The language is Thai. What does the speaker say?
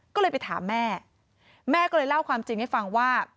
ก็เลยไปถามแม่แม่ก็เลยเล่าความจริงให้ฟังว่า